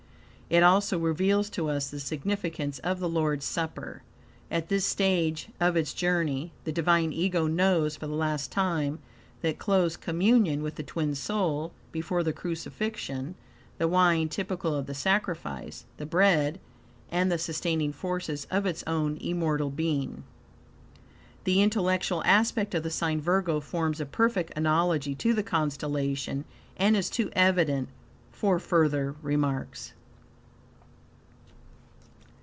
It also reveals to us the significance of the Lord's Supper. At this stage of its journey, the Divine Ego knows for the last time that close communion with the twin soul before the crucifixion, the wine typical of the sacrifice, the bread, and the sustaining forces, of its own immortal being. The intellectual aspect of the sign Virgo forms a perfect analogy to the constellation, and is too evident for further remarks.